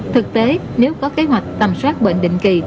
thực tế nếu có kế hoạch tầm soát bệnh định kỳ